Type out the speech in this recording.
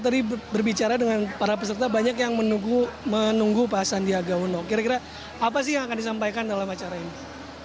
ya terima kasih pak saya tadi berbicara dengan para peserta banyak yang menunggu pak sandiaga uno kira kira apa sih yang akan disampaikan dalam acaranya